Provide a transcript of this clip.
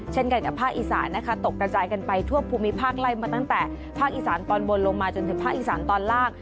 เช่นกันกับภาคอีสานนะคะตกกระจายกันไปทั่วภูมิภาคไล่มาตั้งแต่ภาคอีสานตอนบนลงมาจนถึงภาคอีสานตอนล่าง